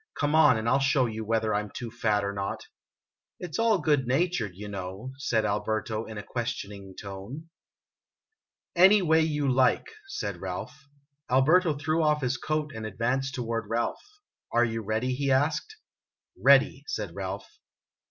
"Come on, and I '11 show you whether I 'm too fat or not." " It 's all good natured, you know?" said Alberto, in a question ing tone. "Any way you like," said Ralph. Alberto threw off his coat and advanced toward Ralph. " Are you ready?" he asked. "Ready," said Ralph.